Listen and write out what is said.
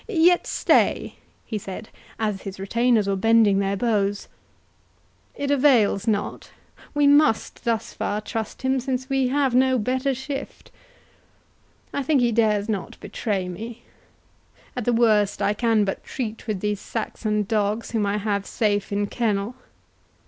—yet stay," he said, as his retainers were bending their bows, "it avails not—we must thus far trust him since we have no better shift. I think he dares not betray me—at the worst I can but treat with these Saxon dogs whom I have safe in kennel.